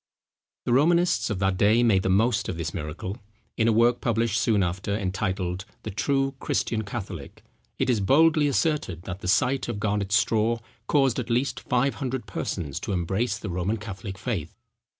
The Romanists of that day made the most of this miracle. In a work published soon after, entitled, The True Christian Catholic, it is boldly asserted that the sight of Garnet's straw caused at least five hundred persons to embrace the Roman Catholic faith.